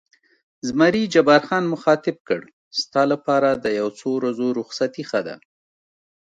زمري جبار خان مخاطب کړ: ستا لپاره د یو څو ورځو رخصتي ښه ده.